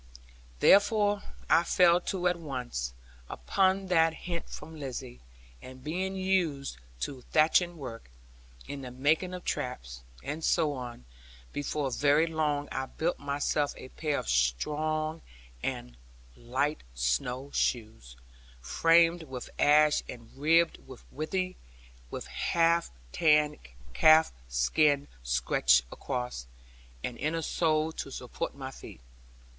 Therefore, I fell to at once, upon that hint from Lizzie, and being used to thatching work, and the making of traps, and so on, before very long I built myself a pair of strong and light snow shoes, framed with ash and ribbed of withy, with half tanned calf skin stretched across, and an inner sole to support my feet.